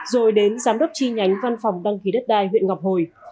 rồi đến giám đốc chi nhánh văn phòng đăng ký đất đai huyện ngọc hồi